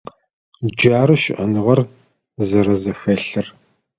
Джары щыӏэныгъэр зэрэзэхэлъыр.